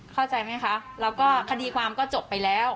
เข้าใจไหมคะแล้วก็คดีความก็จบไปแล้ว